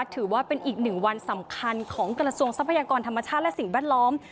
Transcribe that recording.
ถือว่าเป็นอีกหนึ่งวันสำคัญของกระทรวงทรัพยากรธรรมชาติและสิ่งแวดล้อม